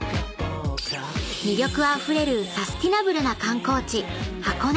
［魅力あふれるサスティナブルな観光地箱根］